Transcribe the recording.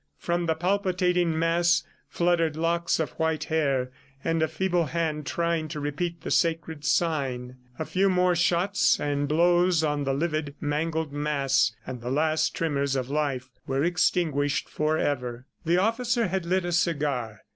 From the palpitating mass fluttered locks of white hair, and a feeble hand, trying to repeat the sacred sign. A few more shots and blows on the livid, mangled mass ... and the last tremors of life were extinguished forever. The officer had lit a cigar.